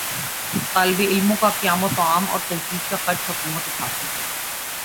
طالب علموں کا قیام و طعام اور تحقیق کا خرچ حکومت اٹھاتی ہے